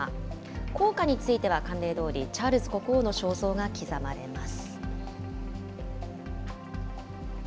硬貨については、慣例どおり、チャールズ国王の肖像が刻まれます。